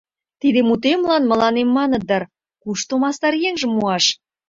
Тиде мутемлан мыланем маныт дыр: кушто мастар еҥжым муаш?